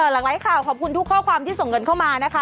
หลายข่าวขอบคุณทุกข้อความที่ส่งเงินเข้ามานะคะ